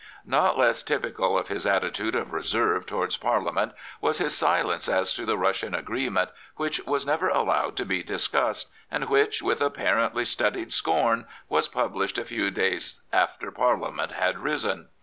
Not less typical of his attitude of reserve towards Parliament was his silence as to the Russian agree ment, which was never allowed to be discussed, and which, with apparently studied scorn, was published a few days after Parliament had risen.